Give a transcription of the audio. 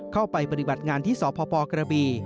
เข้าไปบริบัติงานที่สพกระบี